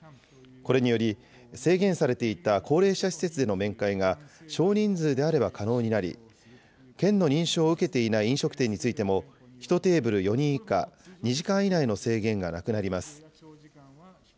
これにより、制限されていた高齢者施設での面会が少人数であれば可能になり、県の認証を受けていない飲食店についても、１テーブル４人以下、２時間以内の制限がなくなります。